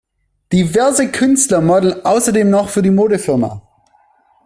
Diverse Künstler modeln außerdem für die Modefirma.